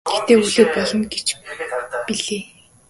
Гэхдээ хүлээж болно гэж байна билээ.